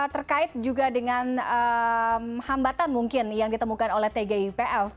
terkait juga dengan hambatan mungkin yang ditemukan oleh tgipf